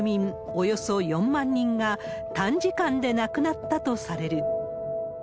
およそ４万人が短時間で亡くなったとされる。